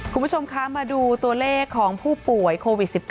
คุณผู้ชมคะมาดูตัวเลขของผู้ป่วยโควิด๑๙